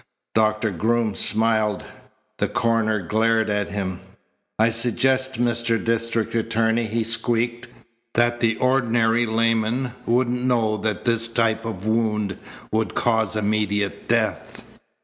Doctor Groom smiled. The coroner glared at him. "I suggest, Mr. District Attorney," he squeaked, "that the ordinary layman wouldn't know that this type of wound would cause immediate death."